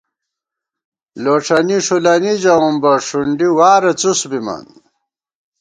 لوݭَنی ݭُلَنی ژَوُم بہ ، ݭُنڈی وارہ څُس بِمان